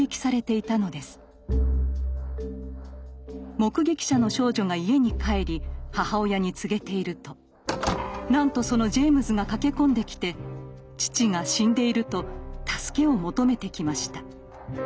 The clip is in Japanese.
目撃者の少女が家に帰り母親に告げているとなんとそのジェイムズが駆け込んできて父が死んでいると助けを求めてきました。